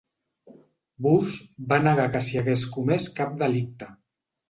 Bush va negar que s'hi hagués comès cap delicte.